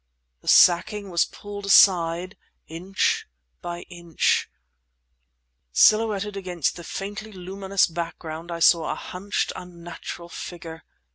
The sacking was pulled aside inch by inch. Silhouetted against the faintly luminous background I saw a hunched, unnatural figure.